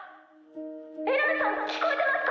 エランさん聞こえてますか？